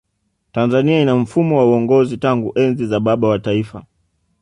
tanzania ina mfumo wa uongozi tangu enzi za baba wa taifa